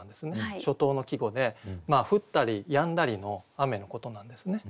初冬の季語で降ったりやんだりの雨のことなんですね。